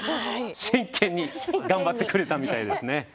真剣に頑張ってくれたみたいですね。